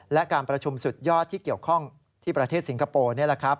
และการประชุมสุดยอดที่เกี่ยวข้องที่ประเทศสิงคโปร์นี่แหละครับ